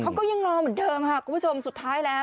เขาก็ยังรอเหมือนเดิมค่ะคุณผู้ชมสุดท้ายแล้ว